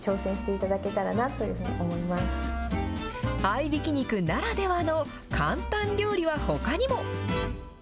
合いびき肉ならではの簡単料理はほかにも。